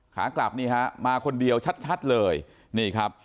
ขากลับนี่ฮะมาคนเดียวชัดชัดเลยนี่ครับ